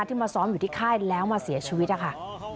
มาซ้อมอยู่ที่ค่ายแล้วมาเสียชีวิตนะคะ